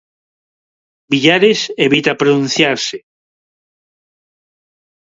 Villares evita pronunciarse.